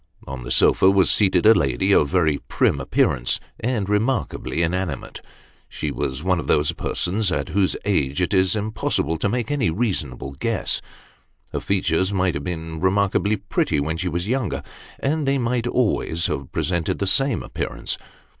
On the sofa, was seated a lady of very prim appearance, and remarkably inanimate. She was one of those persons at whose age it is impossible to make any reasonable guess ; her features might have been remarkably pretty when she was younger, and they might always have presented the same appearance.